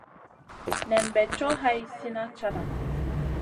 Nen bè co hai slina cata.